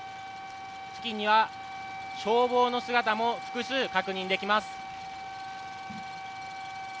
付近には消防の姿も複数確認できます。